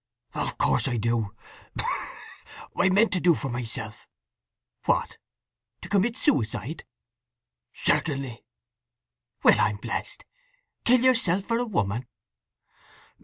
"Of course I do. I meant to do for myself." "What—to commit suicide?" "Certainly." "Well, I'm blest! Kill yourself for a woman."